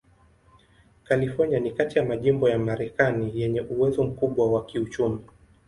California ni kati ya majimbo ya Marekani yenye uwezo mkubwa wa kiuchumi.